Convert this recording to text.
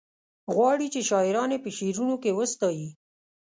غواړي چې شاعران یې په شعرونو کې وستايي.